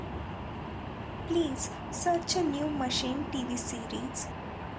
Please search A New Machine TV series.